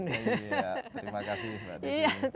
iya terima kasih mbak desy